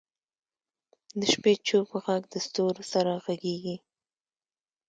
د شپې چوپ ږغ د ستورو سره غږېږي.